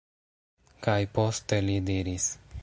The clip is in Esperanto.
Kaj poste li diris: